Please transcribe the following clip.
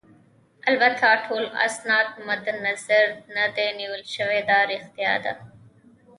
البته ټول اسناد مدنظر نه دي نیول شوي، دا ريښتیا ده.